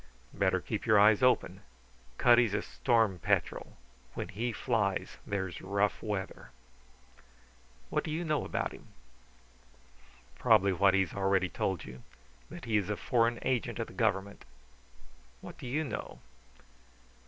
"Better keep your eyes open. Cutty's a stormy petrel; when he flies there's rough weather." "What do you know about him?" "Probably what he has already told you that he is a foreign agent of the Government. What do you know?"